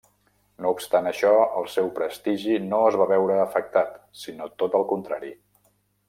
No obstant això, el seu prestigi no es va veure afectat, sinó tot el contrari.